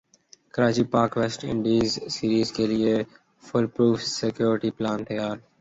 Karachi Pak West Indies series کیلئے fool proof security plan تیار